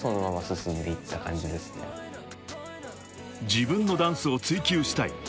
［自分のダンスを追求したい］